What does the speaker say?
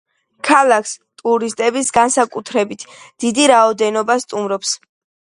ქალაქს ტურისტების განსაკუთრებით დიდი რაოდენობა სტუმრობს.